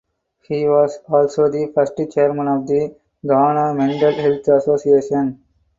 He was also the first Chairman of the Ghana Mental Health Association.